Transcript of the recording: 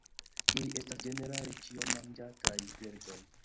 Ili estas ĝenerale ĉiomanĝantaj birdoj.